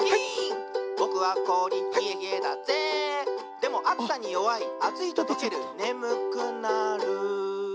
「でもあつさによわいあついととけるねむくなる」